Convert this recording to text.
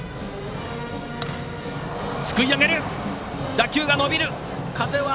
打球が伸びた。